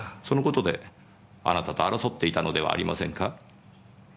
その事であなたと争っていたのではありませんか？